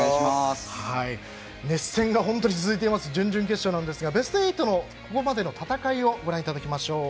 熱戦が続いています準々決勝なんですがベスト８のここまでの戦いをご覧いただきます。